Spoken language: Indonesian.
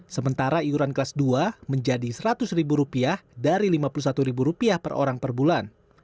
sementara iuran kelas dua menjadi rp seratus dari rp lima puluh satu per orang per bulan